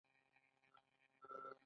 د تره ګل د وینې لپاره وکاروئ